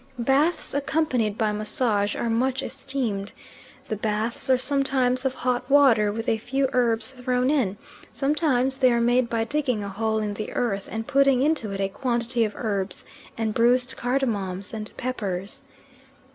Baths accompanied by massage are much esteemed. The baths are sometimes of hot water with a few herbs thrown in, sometimes they are made by digging a hole in the earth and putting into it a quantity of herbs, and bruised cardamoms, and peppers.